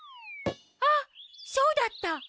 あっそうだった！